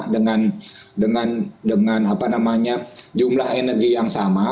dengan jumlah energi yang sama